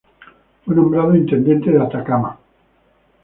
Fue nombrado Intendente de Atacama.